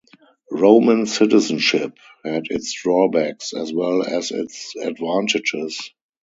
Roman citizenship had its drawbacks as well as its advantages.